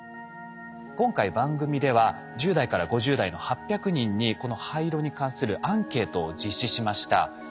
今回番組では１０代から５０代の８００人にこの廃炉に関するアンケートを実施しました。